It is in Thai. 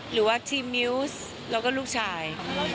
หรือว่าทีมมิวส์แล้วก็ลูกชาย